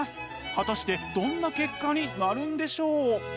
果たしてどんな結果になるんでしょう？